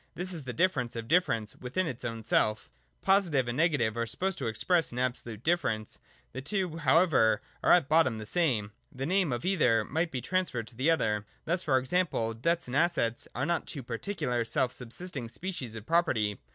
This is the difference of difference within its own self Positive and negative are supposed to express an absolute difference. The two however are at bottom the same : the name of either might be transferred to the other. Thus, for example, debts and assets are not two particular, self sub sisting species of property.